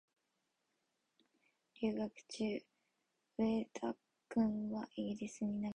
留学中、上田君はイギリスに長くいましたが、